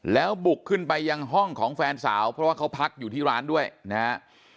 แล้วบุกขึ้นไปยังห้องของแฟนสาวเพราะว่าเขาพักอยู่ที่ร้านด้วยนะฮะ